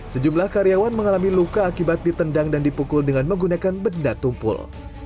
sejumlah karyawan mengalami luka akibat ditendang dan dipukul dengan menggunakan benda tumpul